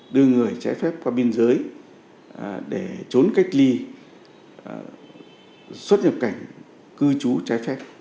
đưa người trái phép qua biên giới để trốn cách ly xuất nhập cảnh cư trú trái phép